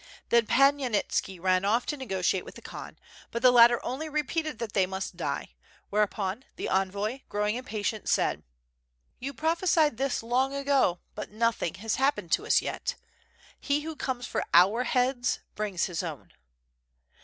Then Pan Yanitski rode off to negotiate with the Khan, but the latter only repeated that they must die; whereuppn the envoy, grow ing impatient, said: "You prophesied this long ago but nothing has happened to us yet, he who comes for our heads brings his own."